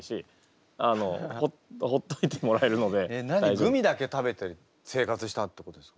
グミだけ食べて生活したってことですか？